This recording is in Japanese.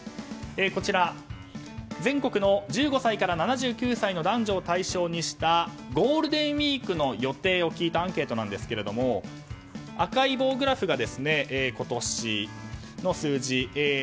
こちら、全国の１５歳から７９歳の男女を対象にしたゴールデンウィークの予定を聞いたアンケートなんですが赤い棒グラフが今年の数字。